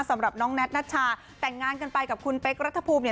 สำหรับน้องแท็ตนัชชาแต่งงานกันไปกับคุณเป๊กรัฐภูมิเนี่ย